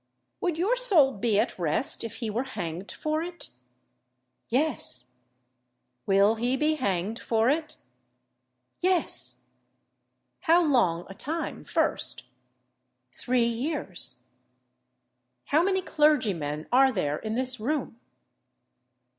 "Would your soul be at rest if he were hanged for it?" "Yes." "Will he be hanged for it?" "Yes." "How long a time first?" "Three years." "How many clergymen are there in this room?"